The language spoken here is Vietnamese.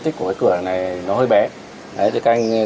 cái diện tích của cái cửa này nó hơi bé